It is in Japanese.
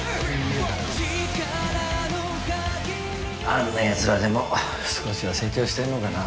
あんなやつらでも少しは成長してんのかな？